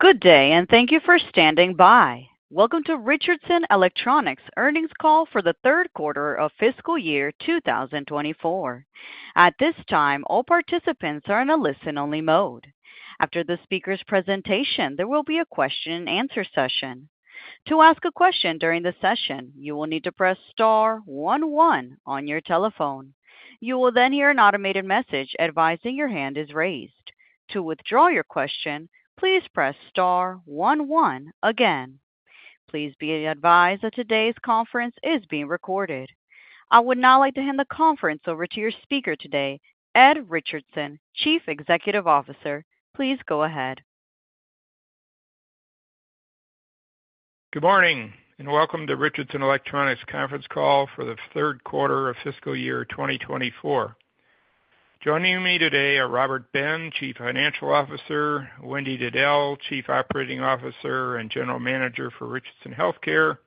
Good day, and thank you for standing by. Welcome to Richardson Electronics' Earnings Call for the Third Quarter of Fiscal Year 2024. At this time, all participants are in a listen-only mode. After the speaker's presentation, there will be a question-and-answer session. To ask a question during the session, you will need to press star one one on your telephone. You will then hear an automated message advising your hand is raised. To withdraw your question, please press star one one again. Please be advised that today's conference is being recorded. I would now like to hand the conference over to your speaker today, Ed Richardson, Chief Executive Officer. Please go ahead. Good morning, and welcome to Richardson Electronics' Conference Call for the Third Quarter of Fiscal Year 2024. Joining me today are Robert Ben, Chief Financial Officer; Wendy Diddell, Chief Operating Officer and General Manager for Richardson Healthcare;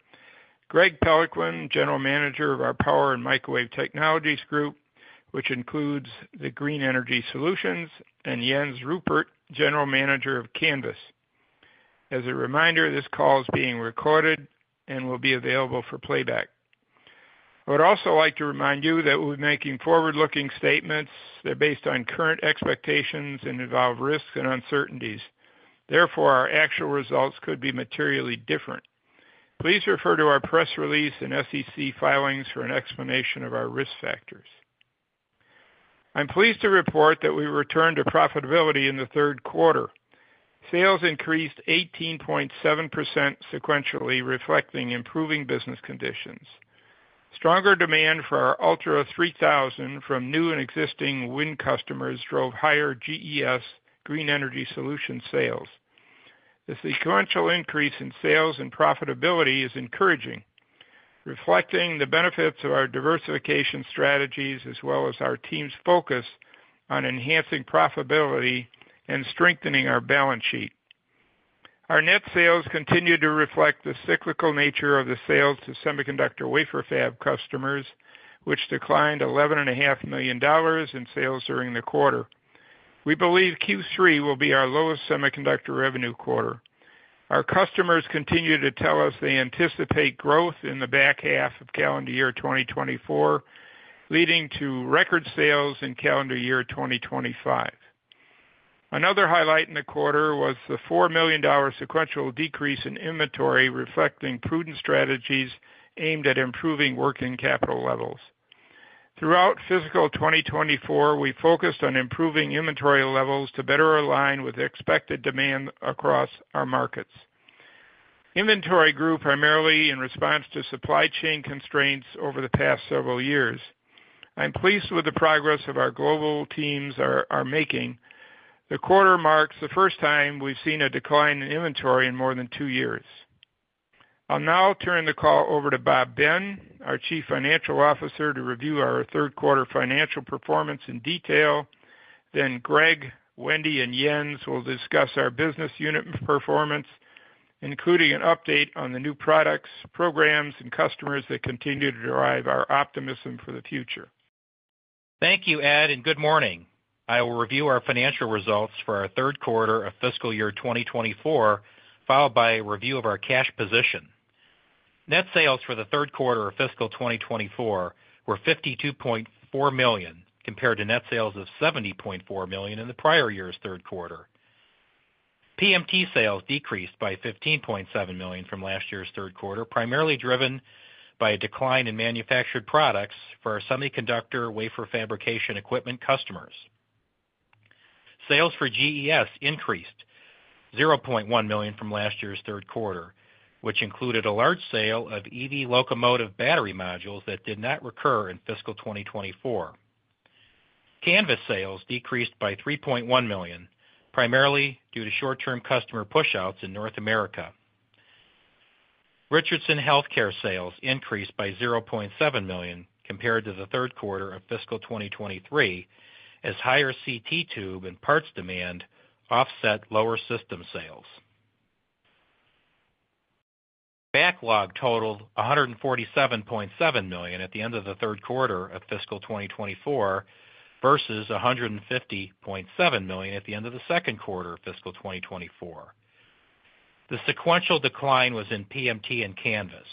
Greg Peloquin, General Manager of our Power and Microwave Technologies Group, which includes the Green Energy Solutions; and Jens Ruppert, General Manager of Canvys. As a reminder, this call is being recorded and will be available for playback. I would also like to remind you that we're making forward-looking statements. They're based on current expectations and involve risks and uncertainties. Therefore, our actual results could be materially different. Please refer to our press release and SEC filings for an explanation of our risk factors. I'm pleased to report that we returned to profitability in the third quarter. Sales increased 18.7% sequentially, reflecting improving business conditions. Stronger demand for our ULTRA3000 from new and existing wind customers drove higher GES Green Energy Solutions sales. The sequential increase in sales and profitability is encouraging, reflecting the benefits of our diversification strategies as well as our team's focus on enhancing profitability and strengthening our balance sheet. Our net sales continue to reflect the cyclical nature of the sales to semiconductor wafer fab customers, which declined $11.5 million in sales during the quarter. We believe Q3 will be our lowest semiconductor revenue quarter. Our customers continue to tell us they anticipate growth in the back half of calendar year 2024, leading to record sales in calendar year 2025. Another highlight in the quarter was the $4 million sequential decrease in inventory, reflecting prudent strategies aimed at improving working capital levels. Throughout fiscal 2024, we focused on improving inventory levels to better align with expected demand across our markets. Inventory grew primarily in response to supply chain constraints over the past several years. I'm pleased with the progress that our global teams are making. The quarter marks the first time we've seen a decline in inventory in more than two years. I'll now turn the call over to Bob Ben, our Chief Financial Officer, to review our third quarter financial performance in detail. Then Greg, Wendy, and Jens will discuss our business unit performance, including an update on the new products, programs, and customers that continue to drive our optimism for the future. Thank you, Ed, and good morning. I will review our financial results for our third quarter of fiscal year 2024, followed by a review of our cash position. Net sales for the third quarter of fiscal 2024 were $52.4 million compared to net sales of $70.4 million in the prior year's third quarter. PMT sales decreased by $15.7 million from last year's third quarter, primarily driven by a decline in manufactured products for our semiconductor wafer fabrication equipment customers. Sales for GES increased $0.1 million from last year's third quarter, which included a large sale of EV locomotive battery modules that did not recur in fiscal 2024. Canvys sales decreased by $3.1 million, primarily due to short-term customer push-outs in North America. Richardson Healthcare sales increased by $0.7 million compared to the third quarter of fiscal 2023, as higher CT tube and parts demand offset lower system sales. Backlog totaled $147.7 million at the end of the third quarter of fiscal 2024 vs $150.7 million at the end of the second quarter of fiscal 2024. The sequential decline was in PMT and Canvys.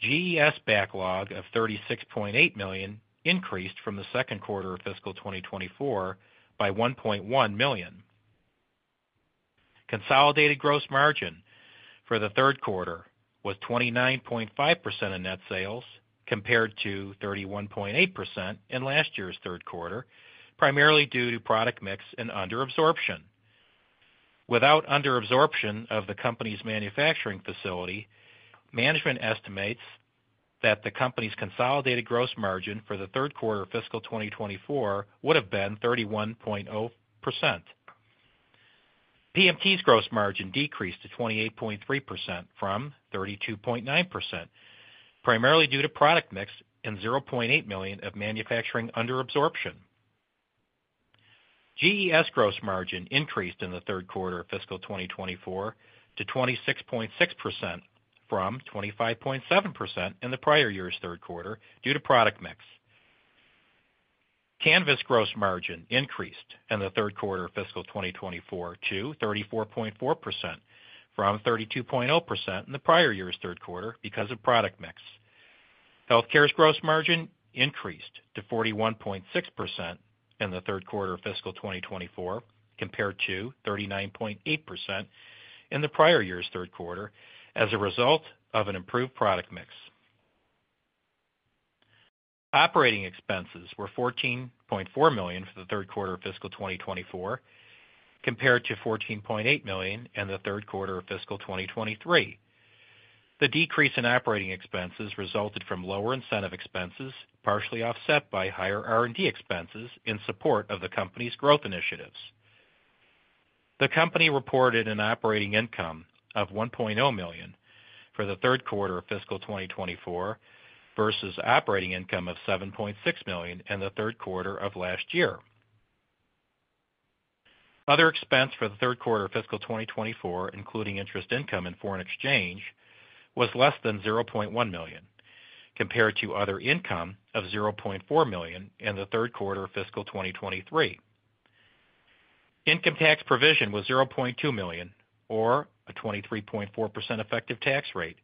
GES backlog of $36.8 million increased from the second quarter of fiscal 2024 by $1.1 million. Consolidated gross margin for the third quarter was 29.5% in net sales compared to 31.8% in last year's third quarter, primarily due to product mix and underabsorption. Without underabsorption of the company's manufacturing facility, management estimates that the company's consolidated gross margin for the third quarter of fiscal 2024 would have been 31.0%. PMT's gross margin decreased to 28.3% from 32.9%, primarily due to product mix and $0.8 million of manufacturing underabsorption. GES gross margin increased in the third quarter of fiscal 2024 to 26.6% from 25.7% in the prior year's third quarter due to product mix. Canvys gross margin increased in the third quarter of fiscal 2024 to 34.4% from 32.0% in the prior year's third quarter because of product mix. Healthcare's gross margin increased to 41.6% in the third quarter of fiscal 2024 compared to 39.8% in the prior year's third quarter as a result of an improved product mix. Operating expenses were $14.4 million for the third quarter of fiscal 2024 compared to $14.8 million in the third quarter of fiscal 2023. The decrease in operating expenses resulted from lower incentive expenses, partially offset by higher R&D expenses in support of the company's growth initiatives. The company reported an operating income of $1.0 million for the third quarter of fiscal 2024 vs operating income of $7.6 million in the third quarter of last year. Other expense for the third quarter of fiscal 2024, including interest income and foreign exchange, was less than $0.1 million compared to other income of $0.4 million in the third quarter of fiscal 2023. Income tax provision was $0.2 million or a 23.4% effective tax rate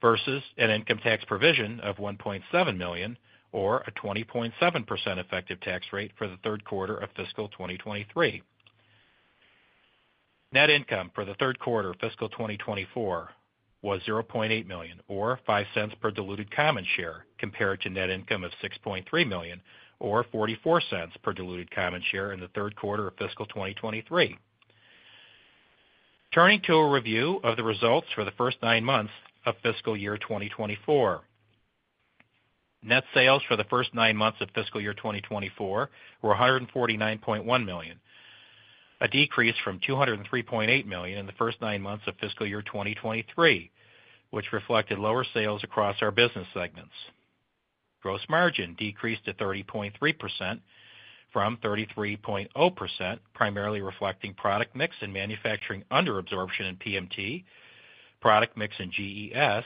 vs an income tax provision of $1.7 million or a 20.7% effective tax rate for the third quarter of fiscal 2023. Net income for the third quarter of fiscal 2024 was $0.8 million or $0.05 per diluted common share compared to net income of $6.3 million or $0.44 per diluted common share in the third quarter of fiscal 2023. Turning to a review of the results for the first nine months of fiscal year 2024. Net sales for the first nine months of fiscal year 2024 were $149.1 million, a decrease from $203.8 million in the first nine months of fiscal year 2023, which reflected lower sales across our business segments. Gross margin decreased to 30.3% from 33.0%, primarily reflecting product mix and manufacturing underabsorption in PMT, product mix in GES,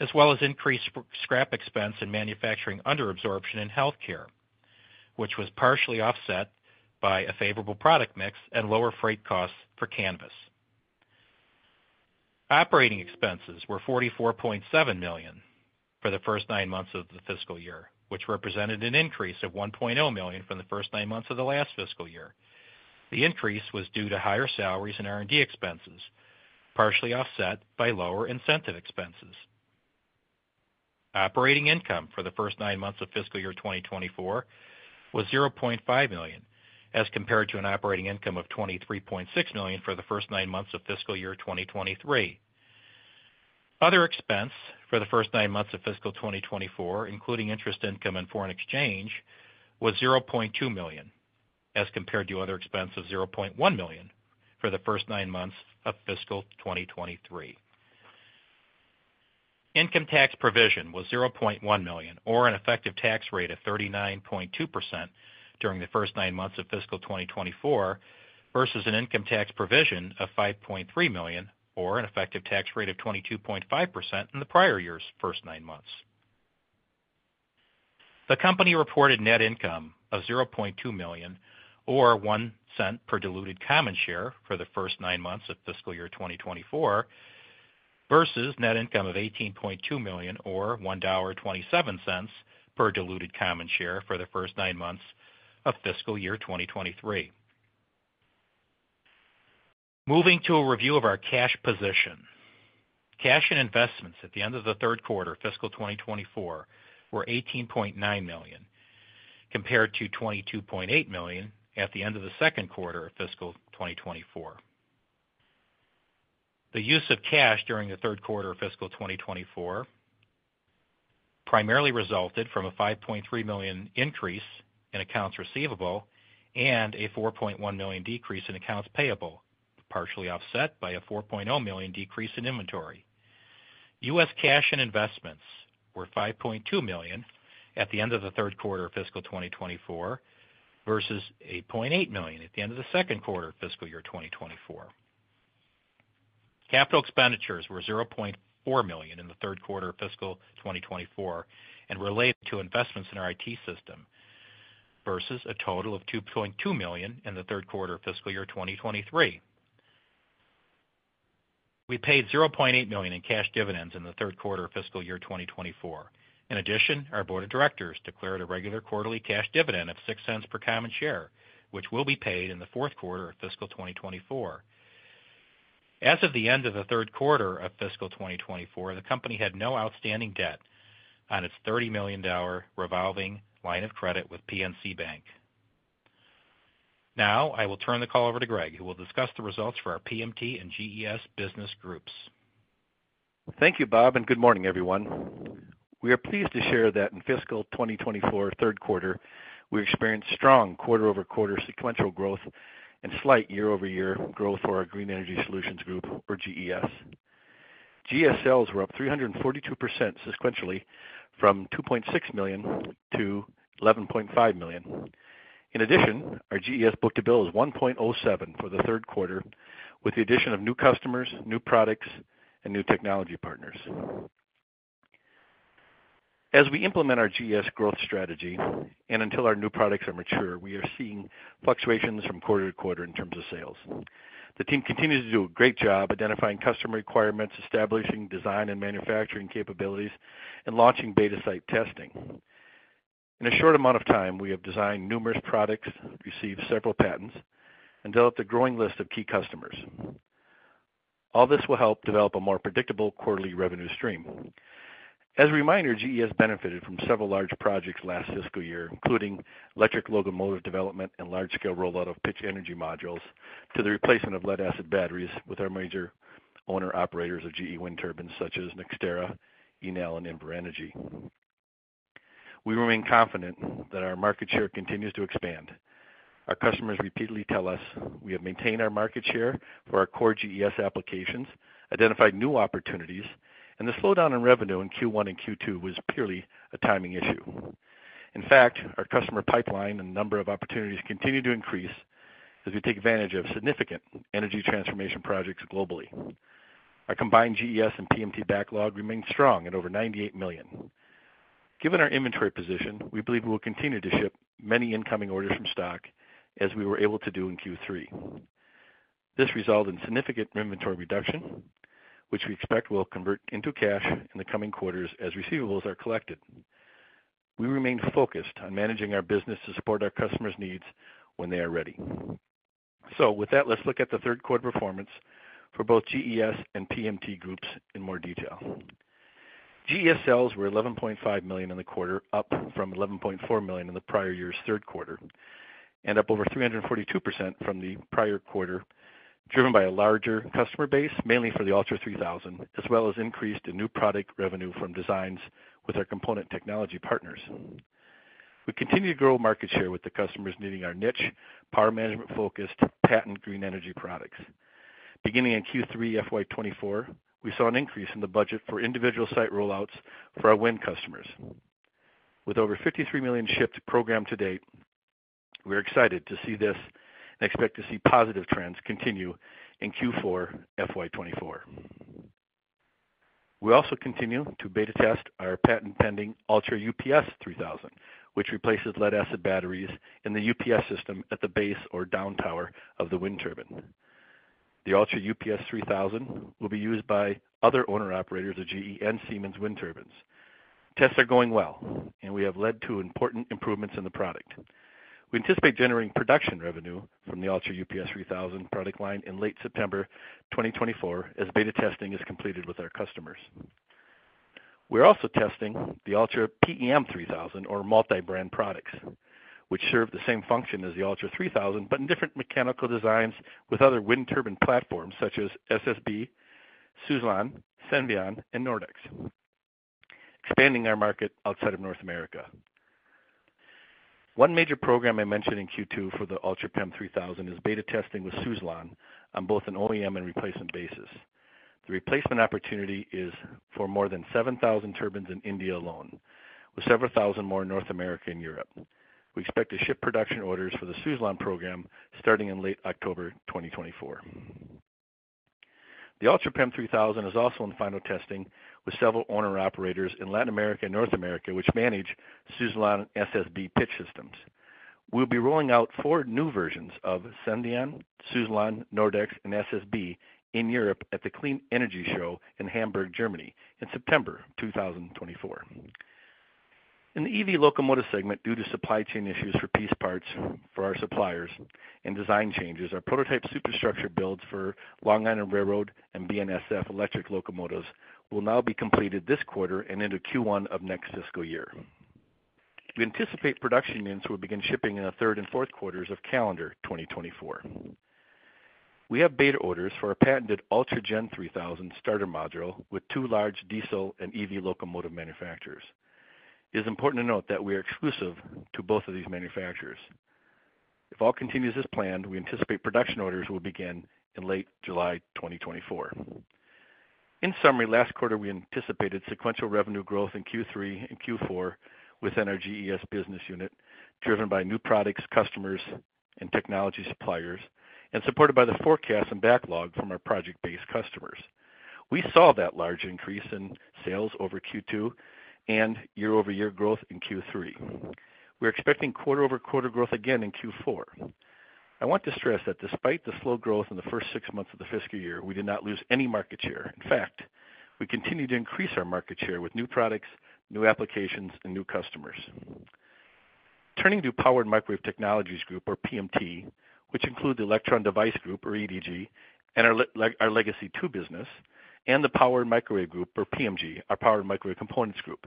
as well as increased scrap expense in manufacturing underabsorption in Healthcare, which was partially offset by a favorable product mix and lower freight costs for Canvys. Operating expenses were $44.7 million for the first nine months of the fiscal year, which represented an increase of $1.0 million from the first nine months of the last fiscal year. The increase was due to higher salaries and R&D expenses, partially offset by lower incentive expenses. Operating income for the first nine months of fiscal year 2024 was $0.5 million as compared to an operating income of $23.6 million for the first nine months of fiscal year 2023. Other expense for the first nine months of fiscal 2024, including interest income and foreign exchange, was $0.2 million as compared to other expense of $0.1 million for the first nine months of fiscal 2023. Income tax provision was $0.1 million or an effective tax rate of 39.2% during the first nine months of fiscal 2024 vs an income tax provision of $5.3 million or an effective tax rate of 22.5% in the prior year's first nine months. The company reported net income of $0.2 million or $0.01 per diluted common share for the first nine months of fiscal year 2024 vs net income of $18.2 million or $1.27 per diluted common share for the first nine months of fiscal year 2023. Moving to a review of our cash position. Cash and investments at the end of the third quarter of fiscal 2024 were $18.9 million compared to $22.8 million at the end of the second quarter of fiscal 2024. The use of cash during the third quarter of fiscal 2024 primarily resulted from a $5.3 million increase in accounts receivable and a $4.1 million decrease in accounts payable, partially offset by a $4.0 million decrease in inventory. U.S. cash and investments were $5.2 million at the end of the third quarter of fiscal 2024 vs $0.8 million at the end of the second quarter of fiscal year 2024. Capital expenditures were $0.4 million in the third quarter of fiscal 2024 and related to investments in our IT system vs a total of $2.2 million in the third quarter of fiscal year 2023. We paid $0.8 million in cash dividends in the third quarter of fiscal year 2024. In addition, our board of directors declared a regular quarterly cash dividend of $0.06 per common share, which will be paid in the fourth quarter of fiscal 2024. As of the end of the third quarter of fiscal 2024, the company had no outstanding debt on its $30 million revolving line of credit with PNC Bank. Now I will turn the call over to Greg, who will discuss the results for our PMT and GES business groups. Thank you, Bob, and good morning, everyone. We are pleased to share that in fiscal 2024 third quarter, we experienced strong quarter-over-quarter sequential growth and slight year-over-year growth for our Green Energy Solutions Group, or GES. GES sales were up 342% sequentially from $2.6 million-$11.5 million. In addition, our GES book-to-bill is 1.07 for the third quarter, with the addition of new customers, new products, and new technology partners. As we implement our GES growth strategy and until our new products are mature, we are seeing fluctuations from quarter to quarter in terms of sales. The team continues to do a great job identifying customer requirements, establishing design and manufacturing capabilities, and launching beta site testing. In a short amount of time, we have designed numerous products, received several patents, and developed a growing list of key customers. All this will help develop a more predictable quarterly revenue stream. As a reminder, GES benefited from several large projects last fiscal year, including electric locomotive development and large-scale rollout of pitch energy modules to the replacement of lead-acid batteries with our major owner-operators of GE wind turbines, such as NextEra, Enel, and Inver Energy. We remain confident that our market share continues to expand. Our customers repeatedly tell us we have maintained our market share for our core GES applications, identified new opportunities, and the slowdown in revenue in Q1 and Q2 was purely a timing issue. In fact, our customer pipeline and number of opportunities continue to increase as we take advantage of significant energy transformation projects globally. Our combined GES and PMT backlog remains strong at over $98 million. Given our inventory position, we believe we will continue to ship many incoming orders from stock as we were able to do in Q3. This resulted in significant inventory reduction, which we expect will convert into cash in the coming quarters as receivables are collected. We remain focused on managing our business to support our customers' needs when they are ready. So with that, let's look at the third quarter performance for both GES and PMT groups in more detail. GES sales were $11.5 million in the quarter, up from $11.4 million in the prior year's third quarter and up over 342% from the prior quarter, driven by a larger customer base, mainly for the ULTRA3000, as well as increased in new product revenue from designs with our component technology partners. We continue to grow market share with the customers needing our niche, power management-focused, patented green energy products. Beginning in Q3 FY24, we saw an increase in the budget for individual site rollouts for our wind customers. With over $53 million shipped program to date, we are excited to see this and expect to see positive trends continue in Q4 FY24. We also continue to beta test our patent-pending ULTRAUPS3000, which replaces lead-acid batteries in the UPS system at the base or down tower of the wind turbine. The ULTRAUPS3000 will be used by other owner-operators of GE and Siemens wind turbines. Tests are going well, and we have led to important improvements in the product. We anticipate generating production revenue from the ULTRAUPS3000 product line in late September 2024 as beta testing is completed with our customers. We are also testing the ULTRAPEM3000 or multi-brand products, which serve the same function as the ULTRA3000 but in different mechanical designs with other wind turbine platforms such as SSB, Suzlon, Senvion, and Nordex. Expanding our market outside of North America. One major program I mentioned in Q2 for the ULTRAPEM3000 is beta testing with Suzlon on both an OEM and replacement basis. The replacement opportunity is for more than 7,000 turbines in India alone, with several thousand more in North America and Europe. We expect to ship production orders for the Suzlon program starting in late October 2024. The ULTRAPEM3000 is also in final testing with several owner-operators in Latin America and North America, which manage Suzlon SSB pitch systems. We will be rolling out four new versions of Senvion, Suzlon, Nordex, and SSB in Europe at the Clean Energy Show in Hamburg, Germany, in September 2024. In the EV locomotive segment, due to supply chain issues for piece parts for our suppliers and design changes, our prototype superstructure builds for Long Island Rail Road and BNSF electric locomotives will now be completed this quarter and into Q1 of next fiscal year. We anticipate production units will begin shipping in the third and fourth quarters of calendar 2024. We have beta orders for our patented ULTRAGEN3000 starter module with two large diesel and EV locomotive manufacturers. It is important to note that we are exclusive to both of these manufacturers. If all continues as planned, we anticipate production orders will begin in late July 2024. In summary, last quarter, we anticipated sequential revenue growth in Q3 and Q4 within our GES business unit, driven by new products, customers, and technology suppliers, and supported by the forecast and backlog from our project-based customers. We saw that large increase in sales over Q2 and year-over-year growth in Q3. We are expecting quarter-over-quarter growth again in Q4. I want to stress that despite the slow growth in the first six months of the fiscal year, we did not lose any market share. In fact, we continue to increase our market share with new products, new applications, and new customers. Turning to Power Microwave Technologies Group, or PMT, which includes the Electron Device Group, or EDG, and our Legacy Tube business, and the Power and Microwave Group, or PMG, our Power and Microwave Components Group,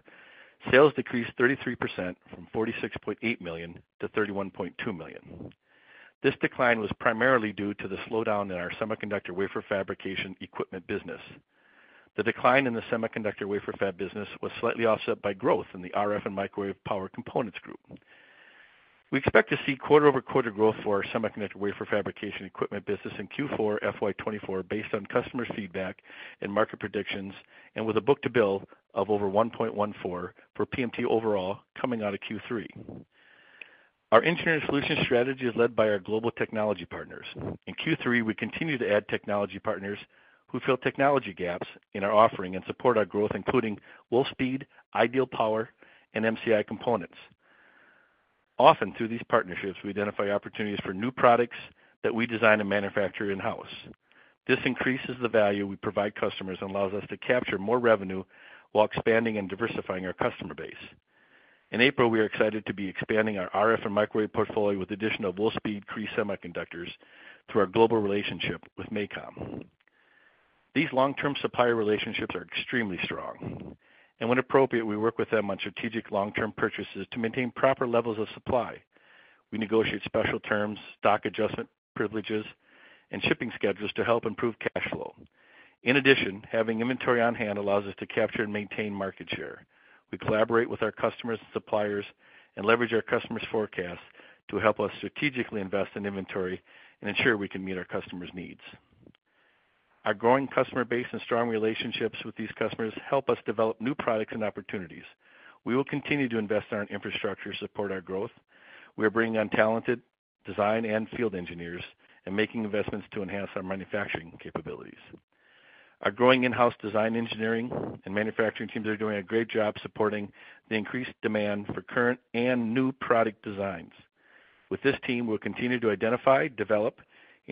sales decreased 33% from $46.8 million-$31.2 million. This decline was primarily due to the slowdown in our semiconductor wafer fabrication equipment business. The decline in the semiconductor wafer fab business was slightly offset by growth in the RF and Microwave Power Components Group. We expect to see quarter-over-quarter growth for our semiconductor wafer fabrication equipment business in Q4 FY24 based on customer feedback and market predictions, and with a book-to-bill of over 1.14 for PMT overall coming out of Q3. Our engineering solution strategy is led by our global technology partners. In Q3, we continue to add technology partners who fill technology gaps in our offering and support our growth, including Wolfspeed, Ideal Power, and MCI Components. Often, through these partnerships, we identify opportunities for new products that we design and manufacture in-house. This increases the value we provide customers and allows us to capture more revenue while expanding and diversifying our customer base. In April, we are excited to be expanding our RF and microwave portfolio with the addition of Wolfspeed Cree semiconductors through our global relationship with MACOM. These long-term supplier relationships are extremely strong, and when appropriate, we work with them on strategic long-term purchases to maintain proper levels of supply. We negotiate special terms, stock adjustment privileges, and shipping schedules to help improve cash flow. In addition, having inventory on hand allows us to capture and maintain market share. We collaborate with our customers and suppliers and leverage our customers' forecasts to help us strategically invest in inventory and ensure we can meet our customers' needs. Our growing customer base and strong relationships with these customers help us develop new products and opportunities. We will continue to invest in our infrastructure to support our growth. We are bringing on talented design and field engineers and making investments to enhance our manufacturing capabilities. Our growing in-house design engineering and manufacturing teams are doing a great job supporting the increased demand for current and new product designs. With this team, we will continue to identify, develop, and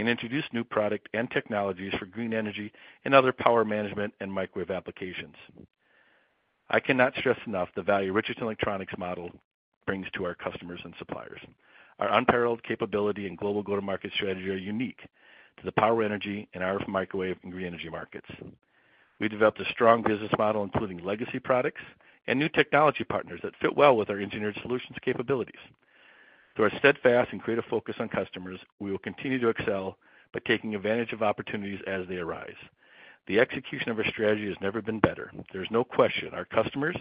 introduce new product and technologies for green energy and other power management and microwave applications. I cannot stress enough the value Richardson Electronics model brings to our customers and suppliers. Our unparalleled capability and global go-to-market strategy are unique to the power energy and RF microwave and green energy markets. We developed a strong business model, including legacy products and new technology partners, that fit well with our engineered solutions capabilities. Through our steadfast and creative focus on customers, we will continue to excel by taking advantage of opportunities as they arise. The execution of our strategy has never been better. There is no question our customers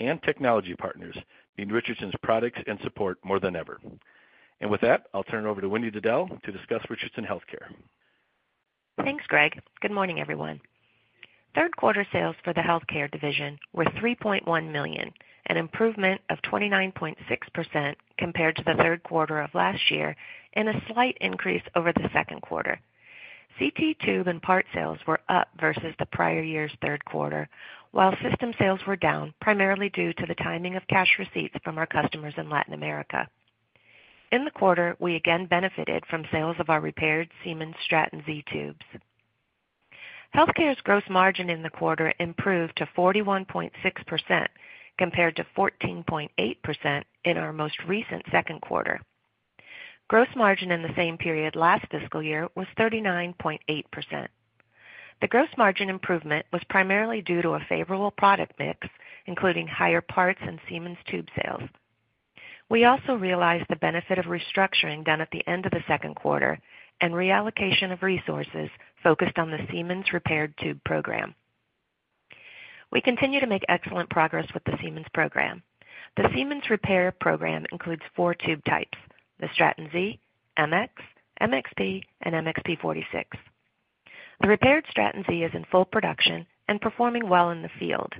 and technology partners need Richardson's products and support more than ever. With that, I'll turn it over to Wendy Diddell to discuss Richardson Healthcare. Thanks, Greg. Good morning, everyone. Third quarter sales for the Healthcare division were $3.1 million, an improvement of 29.6% compared to the third quarter of last year and a slight increase over the second quarter. CT tube and part sales were up vs the prior year's third quarter, while system sales were down, primarily due to the timing of cash receipts from our customers in Latin America. In the quarter, we again benefited from sales of our repaired Siemens Stratton Z tubes. Healthcare's gross margin in the quarter improved to 41.6% compared to 14.8% in our most recent second quarter. Gross margin in the same period last fiscal year was 39.8%. The gross margin improvement was primarily due to a favorable product mix, including higher parts and Siemens tube sales. We also realized the benefit of restructuring done at the end of the second quarter and reallocation of resources focused on the Siemens Repaired Tube program. We continue to make excellent progress with the Siemens program. The Siemens Repair program includes four tube types: the Stratton Z, MX, MXP, and MXP46. The repaired Stratton Z is in full production and performing well in the field.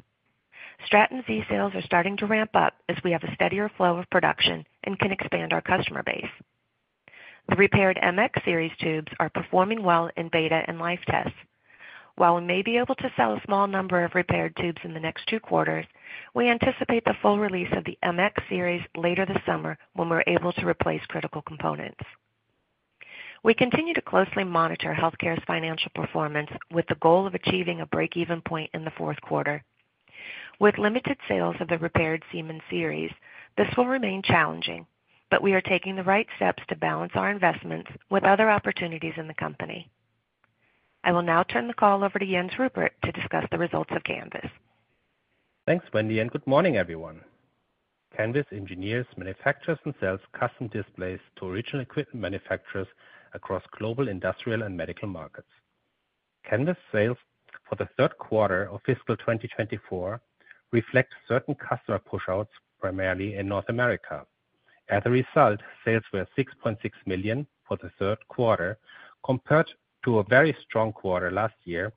Stratton Z sales are starting to ramp up as we have a steadier flow of production and can expand our customer base. The repaired MX series tubes are performing well in beta and life tests. While we may be able to sell a small number of repaired tubes in the next two quarters, we anticipate the full release of the MX series later this summer when we're able to replace critical components. We continue to closely monitor Healthcare's financial performance with the goal of achieving a break-even point in the fourth quarter. With limited sales of the repaired Siemens series, this will remain challenging, but we are taking the right steps to balance our investments with other opportunities in the company. I will now turn the call over to Jens Ruppert to discuss the results of Canvys. Thanks, Wendy, and good morning, everyone. Canvys engineers, manufactures and sells custom displays to original equipment manufacturers across global industrial and medical markets. Canvys sales for the third quarter of fiscal 2024 reflect certain customer pushouts primarily in North America. As a result, sales were $6.6 million for the third quarter compared to a very strong quarter last year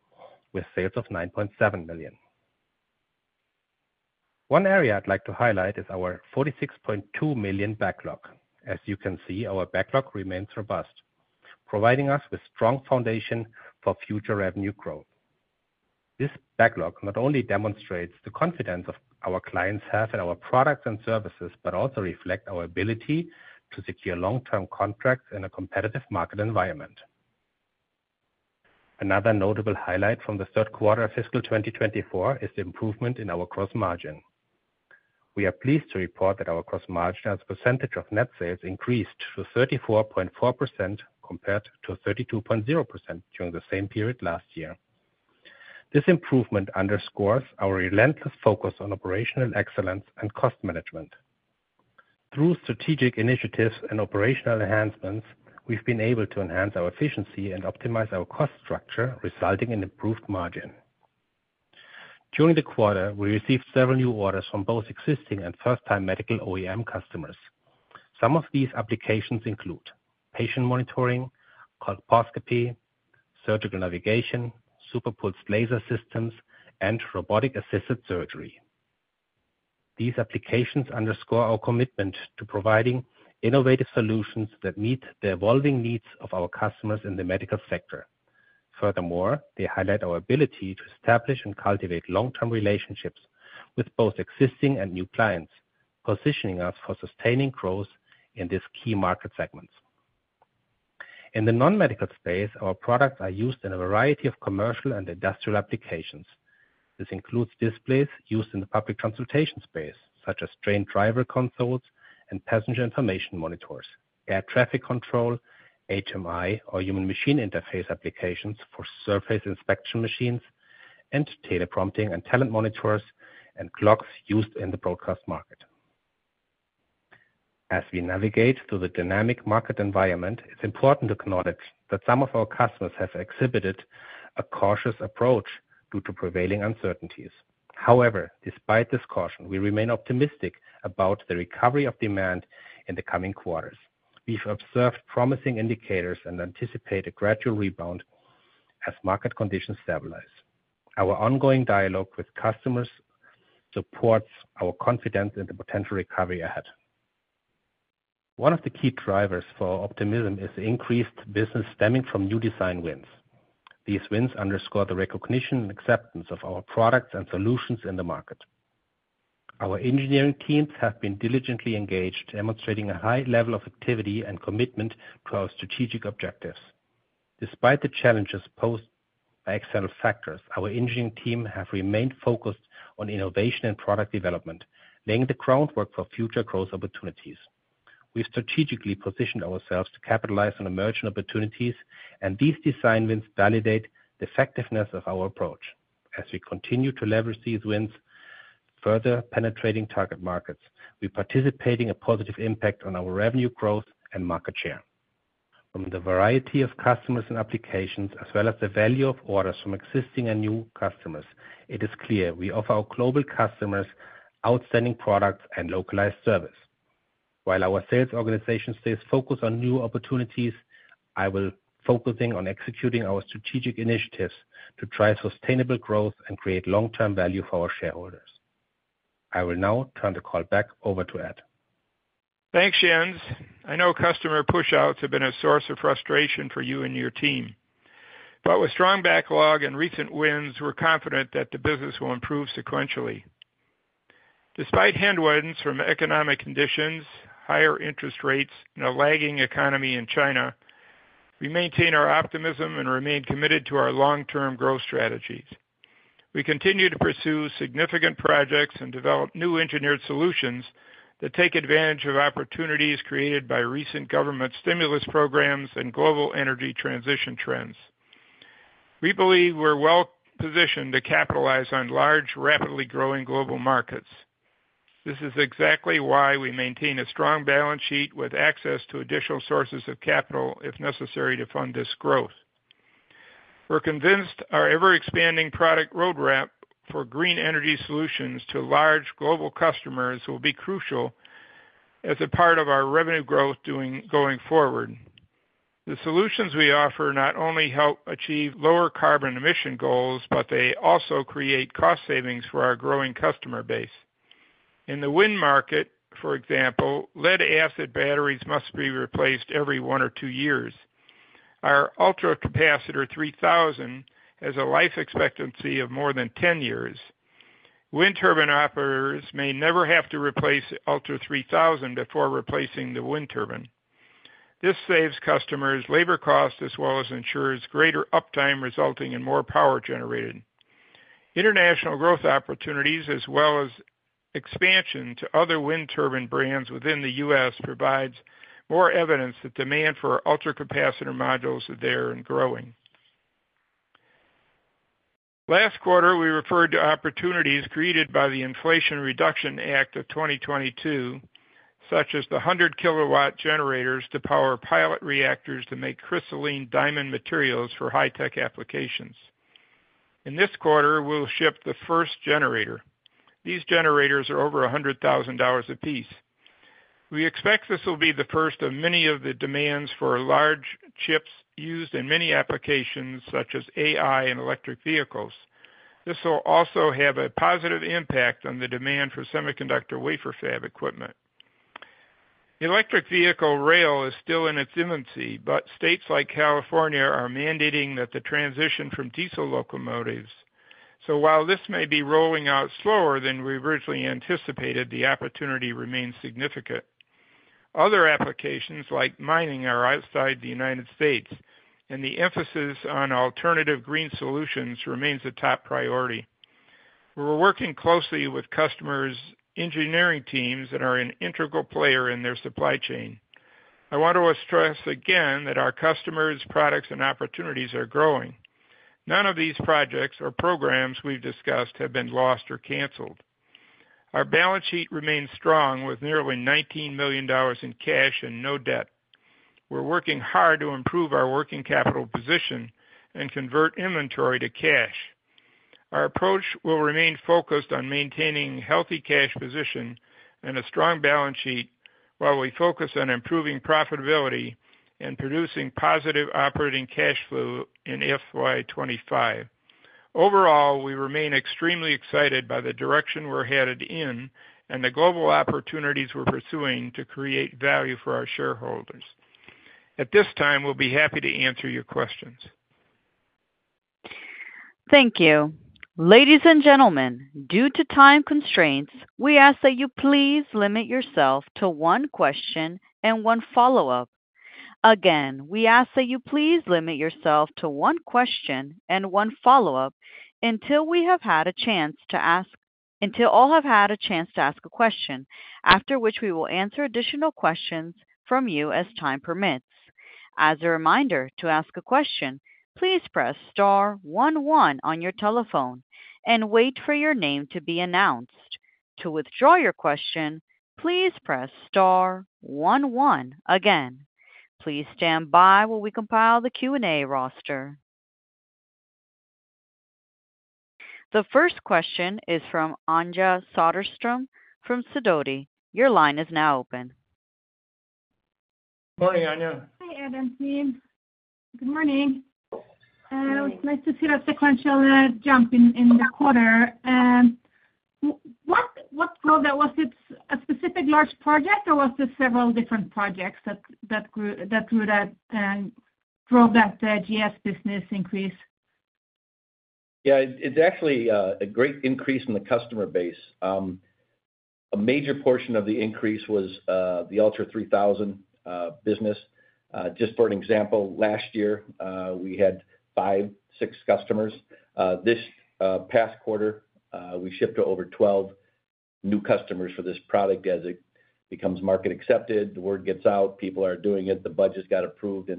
with sales of $9.7 million. One area I'd like to highlight is our $46.2 million backlog. As you can see, our backlog remains robust, providing us with strong foundation for future revenue growth. This backlog not only demonstrates the confidence our clients have in our products and services but also reflects our ability to secure long-term contracts in a competitive market environment. Another notable highlight from the third quarter of fiscal 2024 is the improvement in our gross margin. We are pleased to report that our gross margin as a percentage of net sales increased to 34.4% compared to 32.0% during the same period last year. This improvement underscores our relentless focus on operational excellence and cost management. Through strategic initiatives and operational enhancements, we've been able to enhance our efficiency and optimize our cost structure, resulting in improved margin. During the quarter, we received several new orders from both existing and first-time medical OEM customers. Some of these applications include patient monitoring, colposcopy, surgical navigation, super-pulsed laser systems, and robotic-assisted surgery. These applications underscore our commitment to providing innovative solutions that meet the evolving needs of our customers in the medical sector. Furthermore, they highlight our ability to establish and cultivate long-term relationships with both existing and new clients, positioning us for sustaining growth in these key market segments. In the non-medical space, our products are used in a variety of commercial and industrial applications. This includes displays used in the public consultation space, such as train driver consoles and passenger information monitors, air traffic control, HMI or human-machine interface applications for surface inspection machines, and tele-prompting and talent monitors, and clocks used in the broadcast market. As we navigate through the dynamic market environment, it's important to acknowledge that some of our customers have exhibited a cautious approach due to prevailing uncertainties. However, despite this caution, we remain optimistic about the recovery of demand in the coming quarters. We've observed promising indicators and anticipate a gradual rebound as market conditions stabilize. Our ongoing dialogue with customers supports our confidence in the potential recovery ahead. One of the key drivers for our optimism is the increased business stemming from new design wins. These wins underscore the recognition and acceptance of our products and solutions in the market. Our engineering teams have been diligently engaged, demonstrating a high level of activity and commitment to our strategic objectives. Despite the challenges posed by external factors, our engineering team has remained focused on innovation and product development, laying the groundwork for future growth opportunities. We've strategically positioned ourselves to capitalize on emerging opportunities, and these design wins validate the effectiveness of our approach. As we continue to leverage these wins, further penetrating target markets, we're participating in a positive impact on our revenue growth and market share. From the variety of customers and applications, as well as the value of orders from existing and new customers, it is clear we offer our global customers outstanding products and localized service. While our sales organization stays focused on new opportunities, I will be focusing on executing our strategic initiatives to drive sustainable growth and create long-term value for our shareholders. I will now turn the call back over to Ed. Thanks, Jens. I know customer pushouts have been a source of frustration for you and your team, but with strong backlog and recent wins, we're confident that the business will improve sequentially. Despite headwinds from economic conditions, higher interest rates, and a lagging economy in China, we maintain our optimism and remain committed to our long-term growth strategies. We continue to pursue significant projects and develop new engineered solutions that take advantage of opportunities created by recent government stimulus programs and global energy transition trends. We believe we're well-positioned to capitalize on large, rapidly growing global markets. This is exactly why we maintain a strong balance sheet with access to additional sources of capital if necessary to fund this growth. We're convinced our ever-expanding product roadmap for green energy solutions to large global customers will be crucial as a part of our revenue growth going forward. The solutions we offer not only help achieve lower carbon emission goals, but they also create cost savings for our growing customer base. In the wind market, for example, lead-acid batteries must be replaced every one or two years. Our ULTRA3000 has a life expectancy of more than 10 years. Wind turbine operators may never have to replace ULTRA3000 before replacing the wind turbine. This saves customers labor costs as well as ensures greater uptime, resulting in more power generated. International growth opportunities, as well as expansion to other wind turbine brands within the U.S., provide more evidence that demand for ULTRA3000 modules is there and growing. Last quarter, we referred to opportunities created by the Inflation Reduction Act of 2022, such as the 100 kilowatt generators to power pilot reactors to make crystalline diamond materials for high-tech applications. In this quarter, we'll ship the first generator. These generators are over $100,000 apiece. We expect this will be the first of many of the demands for large chips used in many applications such as AI and electric vehicles. This will also have a positive impact on the demand for semiconductor wafer fab equipment. Electric vehicle rail is still in its infancy, but states like California are mandating the transition from diesel locomotives. So while this may be rolling out slower than we originally anticipated, the opportunity remains significant. Other applications, like mining, are outside the United States, and the emphasis on alternative green solutions remains a top priority. We're working closely with customers' engineering teams that are an integral player in their supply chain. I want to stress again that our customers, products, and opportunities are growing. None of these projects or programs we've discussed have been lost or canceled. Our balance sheet remains strong, with nearly $19 million in cash and no debt. We're working hard to improve our working capital position and convert inventory to cash. Our approach will remain focused on maintaining a healthy cash position and a strong balance sheet while we focus on improving profitability and producing positive operating cash flow in FY25. Overall, we remain extremely excited by the direction we're headed in and the global opportunities we're pursuing to create value for our shareholders. At this time, we'll be happy to answer your questions. Thank you. Ladies and gentlemen, due to time constraints, we ask that you please limit yourself to one question and one follow-up. Again, we ask that you please limit yourself to one question and one follow-up until we have had a chance to ask until all have had a chance to ask a question, after which we will answer additional questions from you as time permits. As a reminder, to ask a question, please press star one one on your telephone and wait for your name to be announced. To withdraw your question, please press star one one again. Please stand by while we compile the Q&A roster. The first question is from Anja Soderstrom from Sidoti. Your line is now open. Morning, Anja. Hi, Ed. Good morning. It's nice to see that sequential jump in the quarter. What drove that? Was it a specific large project, or was there several different projects that drew that GES business increase? Yeah, it's actually a great increase in the customer base. A major portion of the increase was the ULTRA3000 business. Just for an example, last year, we had five, six customers. This past quarter, we shipped to over 12 new customers for this product. As it becomes market accepted, the word gets out, people are doing it, the budget's got approved.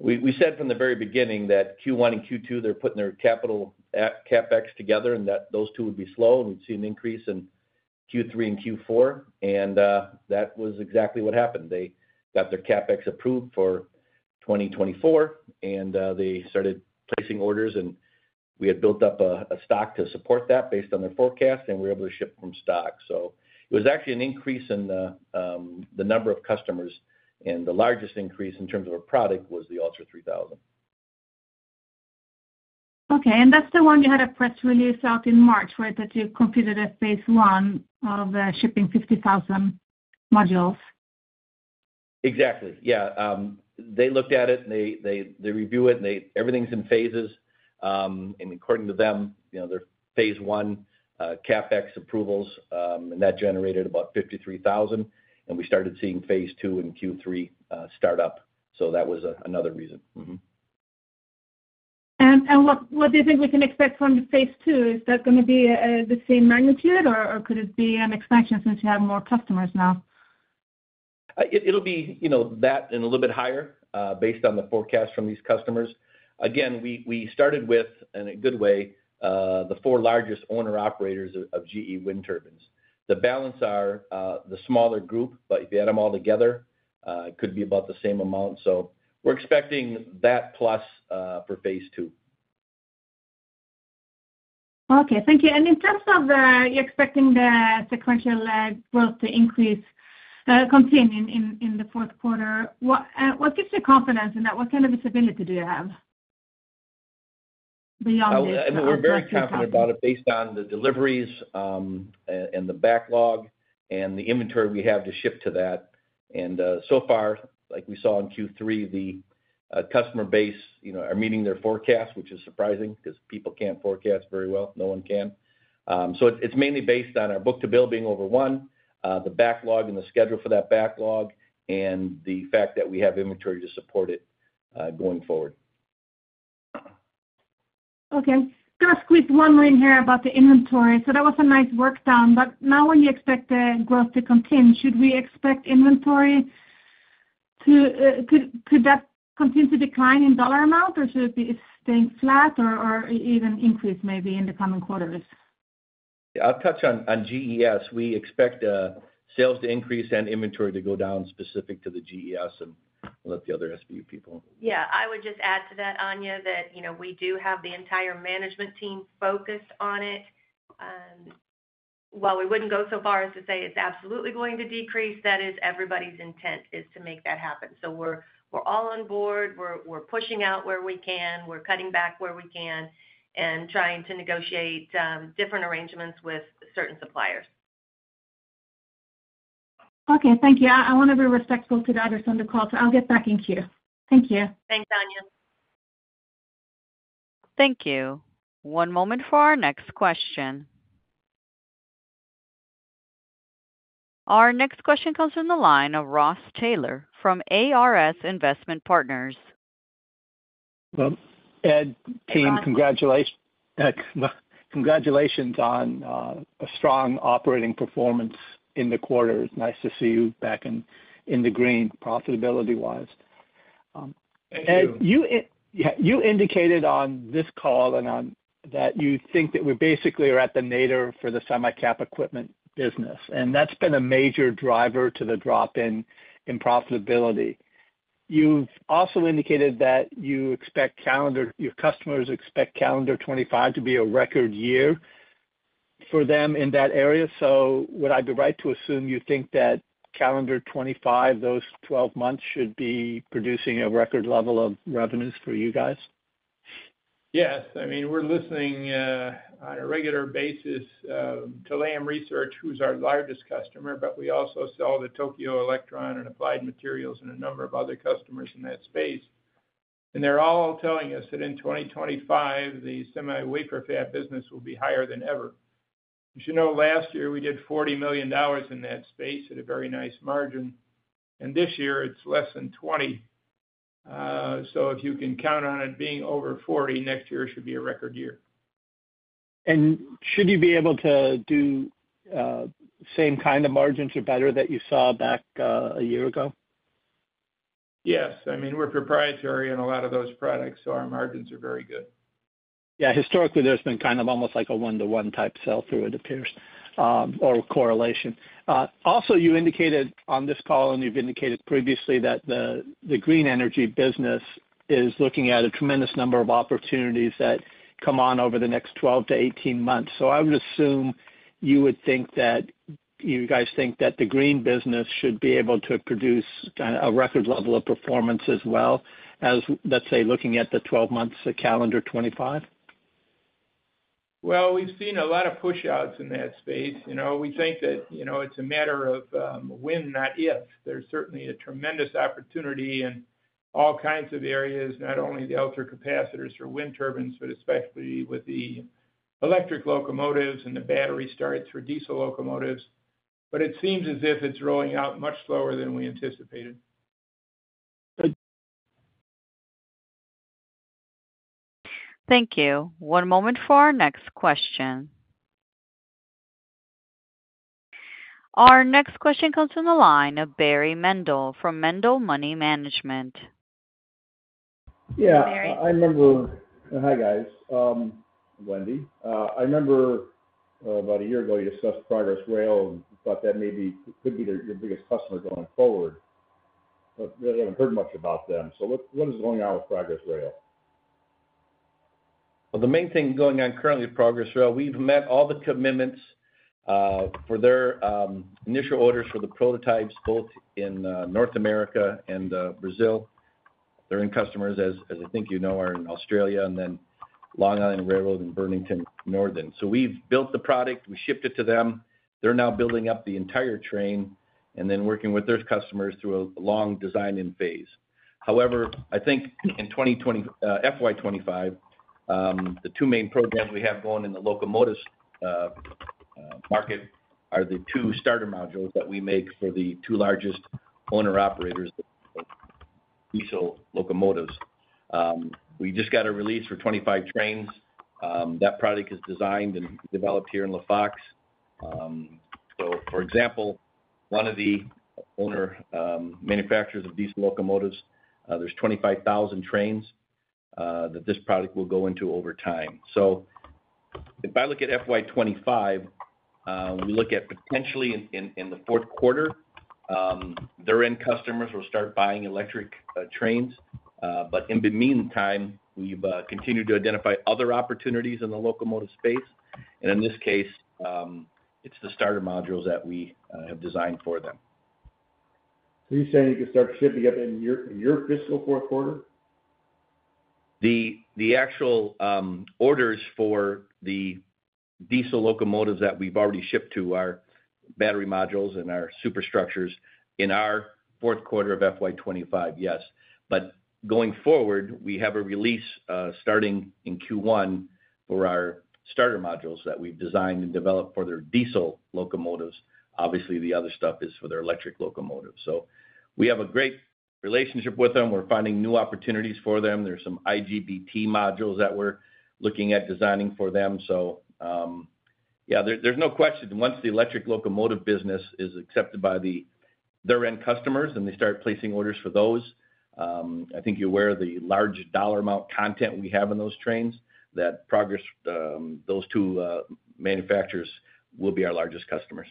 We said from the very beginning that Q1 and Q2, they're putting their CapEx together and that those two would be slow, and we'd see an increase in Q3 and Q4. That was exactly what happened. They got their CapEx approved for 2024, and they started placing orders. We had built up a stock to support that based on their forecast, and we were able to ship from stock. It was actually an increase in the number of customers, and the largest increase in terms of our product was the ULTRA3000. Okay. And that's the one you had a press release out in March, right, that you completed as phase one of shipping 50,000 modules? Exactly. Yeah. They looked at it, and they review it, and everything's in phases. And according to them, they're phase one CapEx approvals, and that generated about $53,000. And we started seeing phase II and Q3 start up. So that was another reason. What do you think we can expect from phase II? Is that going to be the same magnitude, or could it be an expansion since you have more customers now? It'll be that and a little bit higher based on the forecast from these customers. Again, we started with, in a good way, the four largest owner-operators of GE wind turbines. The balance are the smaller group, but if you add them all together, it could be about the same amount. So we're expecting that plus for phase II. Okay. Thank you. In terms of you expecting the sequential growth to continue in the fourth quarter, what gives you confidence in that? What kind of visibility do you have beyond this? We're very confident about it based on the deliveries and the backlog and the inventory we have to ship to that. So far, like we saw in Q3, the customer base are meeting their forecasts, which is surprising because people can't forecast very well. No one can. It's mainly based on our book-to-bill being over one, the backlog and the schedule for that backlog, and the fact that we have inventory to support it going forward. Okay. Just with one more in here about the inventory. So that was a nice workdown. But now, when you expect the growth to continue, should we expect inventory to could that continue to decline in dollar amount, or should it be staying flat or even increase maybe in the coming quarters? I'll touch on GES. We expect sales to increase and inventory to go down specific to the GES and let the other SBU people. Yeah. I would just add to that, Anja, that we do have the entire management team focused on it. While we wouldn't go so far as to say it's absolutely going to decrease, that is everybody's intent is to make that happen. So we're all on board. We're pushing out where we can. We're cutting back where we can and trying to negotiate different arrangements with certain suppliers. Okay. Thank you. I want to be respectful to that or send a call. So I'll get back in queue. Thank you. Thanks, Anja. Thank you. One moment for our next question. Our next question comes from the line of Ross Taylor from ARS Investment Partners. Ed, team, congratulations on a strong operating performance in the quarter. It's nice to see you back in the green profitability-wise. Thank you. Yeah. You indicated on this call that you think that we basically are at the nadir for the semi-cap equipment business, and that's been a major driver to the drop-in in profitability. You've also indicated that your customers expect calendar 2025 to be a record year for them in that area. So would I be right to assume you think that calendar 2025, those 12 months, should be producing a record level of revenues for you guys? Yes. I mean, we're listening on a regular basis to Lam Research, who's our largest customer, but we also sell to Tokyo Electron and Applied Materials and a number of other customers in that space. And they're all telling us that in 2025, the semi-wafer fab business will be higher than ever. As you know, last year, we did $40 million in that space at a very nice margin. And this year, it's less than $20 million. So if you can count on it being over $40 million, next year should be a record year. Should you be able to do same kind of margins or better that you saw back a year ago? Yes. I mean, we're proprietary in a lot of those products, so our margins are very good. Yeah. Historically, there's been kind of almost like a one-to-one type sell through, it appears, or correlation. Also, you indicated on this call, and you've indicated previously, that the green energy business is looking at a tremendous number of opportunities that come on over the next 12-18 months. So I would assume you would think that you guys think that the green business should be able to produce a record level of performance as well as, let's say, looking at the 12 months of calendar 2025? Well, we've seen a lot of push-outs in that space. We think that it's a matter of when, not if. There's certainly a tremendous opportunity in all kinds of areas, not only the ultracapacitors for wind turbines, but especially with the electric locomotives and the battery starts for diesel locomotives. But it seems as if it's rolling out much slower than we anticipated. Thank you. One moment for our next question. Our next question comes from the line of Barry Mendel from Mendel Money Management. Yeah. I remember. Hi, guys. Wendy. I remember about a year ago, you discussed Progress Rail and thought that maybe could be your biggest customer going forward, but really haven't heard much about them. So what is going on with Progress Rail? Well, the main thing going on currently with Progress Rail, we've met all the commitments for their initial orders for the prototypes, both in North America and Brazil. Their end customers, as I think you know, are in Australia and then Long Island Rail Road in Burlington Northern. So we've built the product. We shipped it to them. They're now building up the entire train and then working with their customers through a long design-in phase. However, I think in FY25, the two main programs we have going in the locomotive market are the two starter modules that we make for the two largest owner-operators of diesel locomotives. We just got a release for 25 trains. That product is designed and developed here in LaFox. So, for example, one of the owner-manufacturers of diesel locomotives, there's 25,000 trains that this product will go into over time. So if I look at FY25, we look at potentially in the fourth quarter, their end customers will start buying electric trains. But in the meantime, we've continued to identify other opportunities in the locomotive space. And in this case, it's the starter modules that we have designed for them. You're saying you can start shipping up in your fiscal fourth quarter? The actual orders for the diesel locomotives that we've already shipped to are battery modules and our superstructures. In our fourth quarter of FY25, yes. But going forward, we have a release starting in Q1 for our starter modules that we've designed and developed for their diesel locomotives. Obviously, the other stuff is for their electric locomotives. So we have a great relationship with them. We're finding new opportunities for them. There's some IGBT modules that we're looking at designing for them. So yeah, there's no question. Once the electric locomotive business is accepted by their end customers and they start placing orders for those, I think you're aware of the large dollar amount content we have in those trains, that those two manufacturers will be our largest customers.